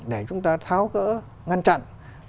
để chúng ta tháo cỡ ngăn chặn